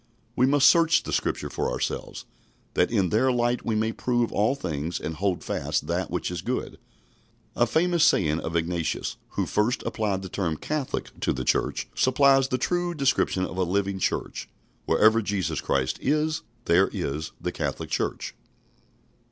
We must search the Scriptures for ourselves, that in their light we may prove all things and hold fast that which is good. A famous saying of Ignatius, who first applied the term "Catholic" to the Church, supplies the true description of a living church "Wherever Jesus Christ is, there is the Catholic Church."